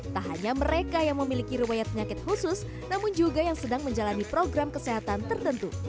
tak hanya mereka yang memiliki riwayat penyakit khusus namun juga yang sedang menjalani program kesehatan tertentu